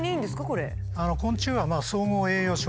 これ。